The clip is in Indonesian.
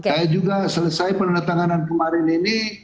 saya juga selesai penandatanganan kemarin ini